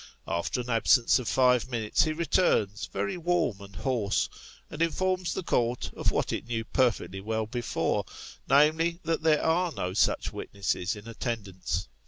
After an absence of five minutes, he returns, very warm and hoarse, and informs the Court of what it knew perfectly well before namely, that there are no such witnesses in attendance.